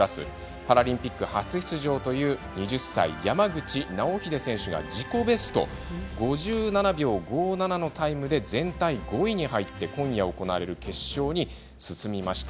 パラリンピック初出場という２０歳、山口尚秀選手が自己ベストの５７秒５７のタイムで全体５位に入って今夜行われる決勝に進みました。